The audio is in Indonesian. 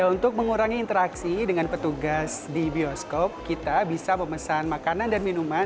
untuk mengurangi interaksi dengan petugas di bioskop kita bisa memesan makanan dan minuman